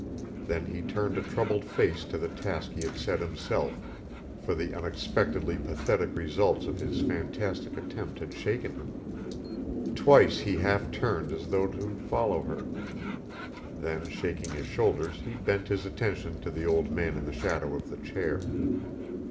Then he turned a troubled face to the task he had set himself, for the unexpectedly pathetic results of his fantastic attempt had shaken him. Twice he half turned as though to follow her. Then shaking his shoulders he bent his attention to the old man in the shadow of the chair.